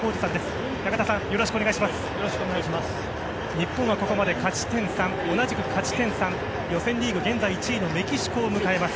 日本はここまで勝ち点３同じく勝ち点３予選リーグ現在１位のメキシコを迎えます。